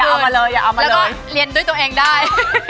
เอามาเลยแล้วก็เรียนด้วยตัวเองได้